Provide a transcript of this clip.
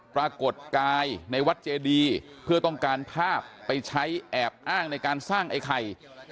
ปรากฏกายในวัดเจดีเพื่อต้องการภาพไปใช้แอบอ้างในการสร้างไอ้ไข่